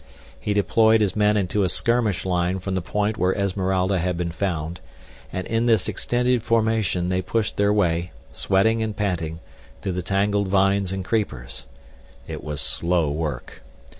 He deployed his men into a skirmish line from the point where Esmeralda had been found, and in this extended formation they pushed their way, sweating and panting, through the tangled vines and creepers. It was slow work.